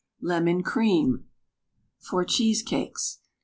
LEMON CREAM (for Cheesecakes).